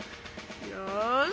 よし！